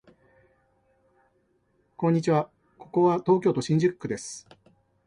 今日はここは東京都新宿区です